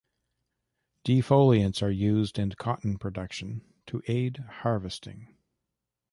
Defoliants are used in cotton production to aid harvesting.